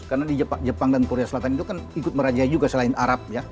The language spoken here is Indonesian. karena di jepang dan korea selatan itu kan ikut merajai juga selain arab ya